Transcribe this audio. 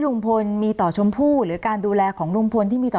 ลุงพลมีต่อชมพู่หรือการดูแลของลุงพลที่มีต่อ